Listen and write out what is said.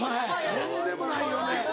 とんでもない嫁や。